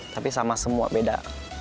tapi sama semua beda